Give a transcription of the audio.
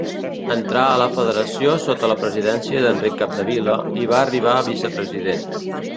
Entrà a la federació sota la presidència d'Enric Capdevila i va arribar a vicepresident.